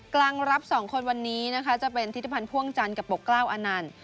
กลางรับสองคนวันนี้นะคะจะเป็นทิศพันธ์พ่วงจันทร์กับปกกล้าวอานันต์